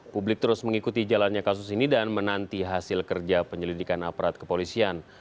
publik terus mengikuti jalannya kasus ini dan menanti hasil kerja penyelidikan aparat kepolisian